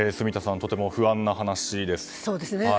とても不安な話です。